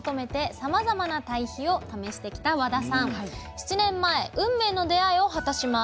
７年前運命の出会いを果たします。